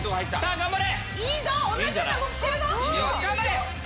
頑張れ！